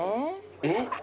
えっ？